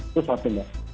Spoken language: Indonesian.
itu suatu yang